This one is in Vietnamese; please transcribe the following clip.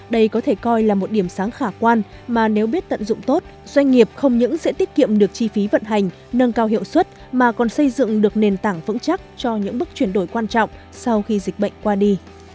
đây có thể coi là một điểm sáng khả quan mà nếu biết tận dụng tốt doanh nghiệp không những sẽ tiết kiệm được chi phí vận hành nâng cao hiệu suất mà còn xây dựng được nền tảng vững chắc cho những bước chuyển đổi quan trọng sau khi dịch bệnh qua đi